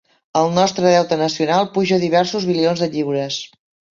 El nostre deute nacional puja a diversos bilions de lliures.